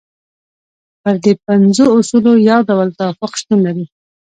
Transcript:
پر دې پنځو اصولو یو ډول توافق شتون لري.